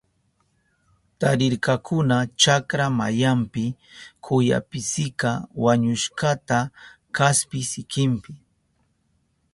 Tarirkakuna chakra mayanpi kuyapisika wañushkata kaspi sikinpi.